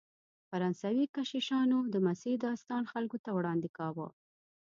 فرانسوي کشیشانو د مسیح داستان خلکو ته وړاندې کاوه.